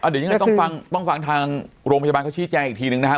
เดี๋ยวยังไงต้องฟังทางโรงพยาบาลเขาชี้แจงอีกทีนึงนะครับ